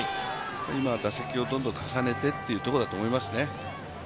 今は打席をどんどん重ねてっていうところだと思いますね。